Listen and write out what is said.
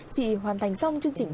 chị hoàn thành xong chương trình